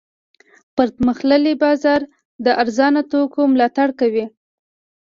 پرمختللی بازار د ارزانه توکو ملاتړ کوي.